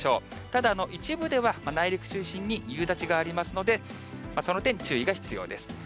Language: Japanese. ただ、一部では内陸中心に夕立がありますので、その点、注意が必要です。